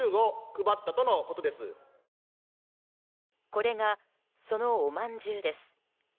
これがそのおまんじゅうです。